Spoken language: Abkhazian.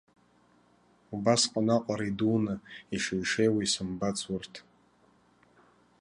Убасҟан аҟара идуны, ишеишеиуа исымбац урҭ.